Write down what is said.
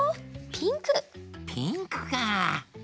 ピンクか。